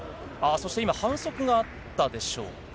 そして今、反則があったでしょうか。